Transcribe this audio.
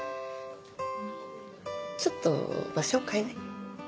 ちょっと場所変えない？